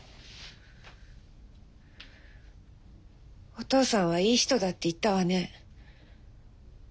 お義父さんはいい人だって言ったわね。